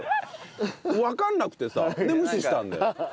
わかんなくてさ。で無視したんだよ。